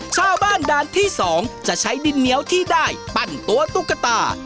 ชาวบ้านด่านที่๒จะใช้ดินเหนียวที่ได้ปั้นตัวตุ๊กตา